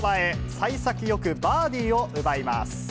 さい先よくバーディーを奪います。